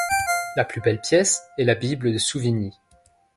La plus belle pièce est la Bible de Souvigny.